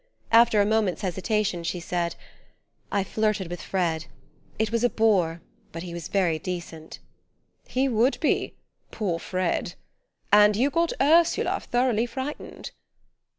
After a moment's hesitation she said: "I flirted with Fred. It was a bore but he was very decent." "He would be poor Fred. And you got Ursula thoroughly frightened!"